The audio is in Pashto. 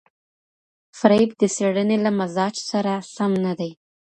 فریب د څېړنې له مزاج سره سم نه دی.